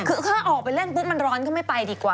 อากาศถ้าเอาไปเล่นพรุ้งมันร้อนก็ไม่ไปดีกว่า